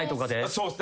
そうっす。